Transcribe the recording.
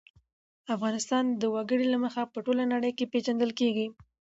افغانستان د وګړي له مخې په ټوله نړۍ کې پېژندل کېږي.